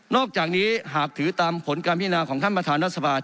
อกจากนี้หากถือตามผลการพินาของท่านประธานรัฐสภา